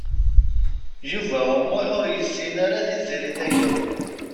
Yuba U Muḥ ur yessin ara Tiziri Tagawawt.